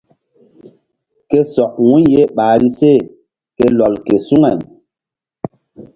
Ke sɔk wu̧y ye ɓahri se ke lɔl ke suŋay.